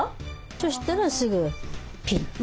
そしたらすぐピッと。